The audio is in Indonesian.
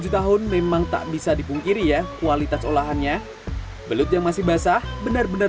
tujuh tahun memang tak bisa dipungkiri ya kualitas olahannya belut yang masih basah benar benar